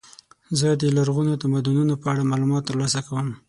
زه د لرغونو تمدنونو په اړه معلومات ترلاسه کوم.